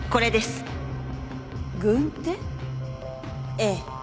ええ。